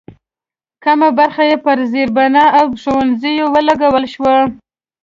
کمه برخه یې پر زېربنا او ښوونځیو ولګول شوه.